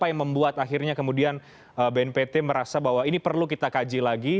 apa yang membuat akhirnya kemudian bnpt merasa bahwa ini perlu kita kaji lagi